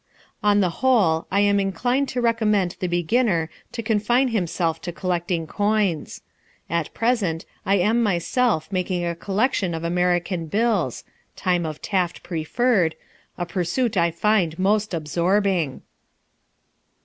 On the whole I am inclined to recommend the beginner to confine himself to collecting coins. At present I am myself making a collection of American bills (time of Taft preferred), a pursuit I find most absorbing.